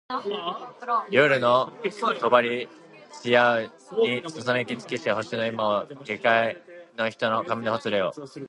夜の帳ちやうにささめき尽きし星の今を下界げかいの人の髪のほつれよ